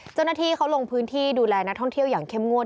เจ้าหน้าที่เขาลงพื้นที่ดูแลนักท่องเที่ยวอย่างเข้มงวด